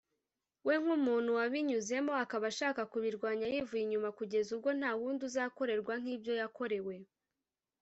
we nk’umuntu wabinyuzemo akaba ashaka kubirwanya yivuye inyuma kugeza ubwo nta wundi uzakorerwa nk’ibyo yakorewe